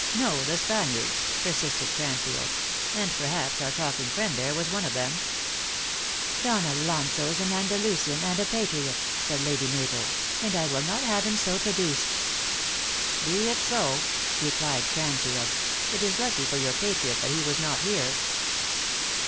" No ; the Spaniards," persisted Cranfield. " And perhaps our talking friend there was one of them." THE ACTEESS IN HIGH LIFE. 295 " Don Alonso is an Andalusian and a patriot," said Lady Mabel ; and I will not have him so traduced." " Be it so," replied Cranfield. " It is lucky for your patriot that he was not here.